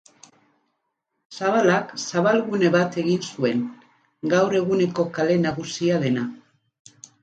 Zabalak zabalgune bat egin zuen, gaur eguneko kale nagusia dena.